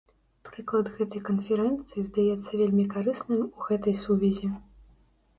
Прыклад гэтай канферэнцыі здаецца вельмі карысным у гэтай сувязі.